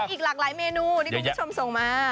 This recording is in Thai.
อีกหลากหลายเมนูที่คุณผู้ชมส่งมา